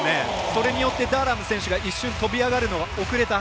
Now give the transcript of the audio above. それによってダーラム選手が一瞬飛び上がるのが遅れた。